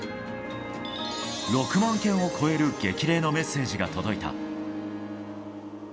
６万件を超える激励のメッセージが届いた。